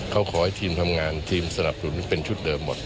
เขาขอให้ทีมทำงานทีมสนับสนุนเป็นชุดเดิมหมด